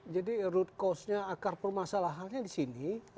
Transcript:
jadi root cause nya akar permasalahannya di sini